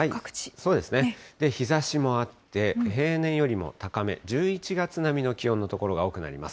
そうですね、日ざしもあって、平年よりも高め、１１月並みの気温の所が多くなります。